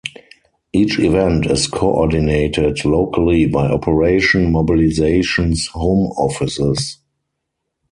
Each event is coordinated locally by Operation Mobilisation's home offices.